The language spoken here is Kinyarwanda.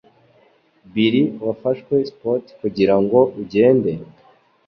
Bill, wafashe Spot kugirango ugende?